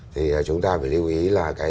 thì chúng ta phải lưu ý là